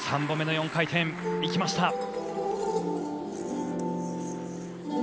３本目の４回転、行きました。